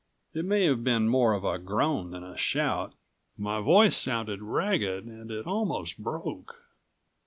It may have been more of a groan than a shout. My voice sounded ragged and it almost broke.